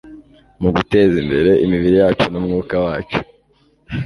mu guteza imbere imibiri yacu n'umwuka wacu